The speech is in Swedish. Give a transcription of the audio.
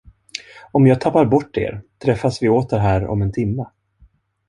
Om jag tappar bort er, träffas vi åter här om en timme.